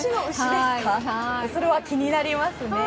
それは気になりますね。